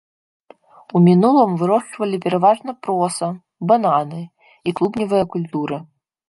У мінулым вырошчвалі пераважна проса, бананы і клубневыя культуры.